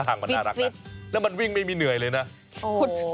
ทางมันน่ารักนะแล้วมันวิ่งไม่มีเหนื่อยเลยนะ